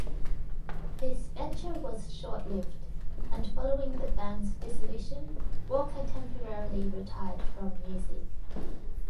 This venture was short-lived; and following the band's dissolution Walker temporarily retired from music.